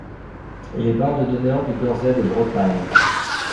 Il est barde d'honneur du Gorsedd de Bretagne.